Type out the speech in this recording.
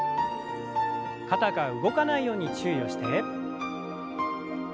肩が動かないように注意をして。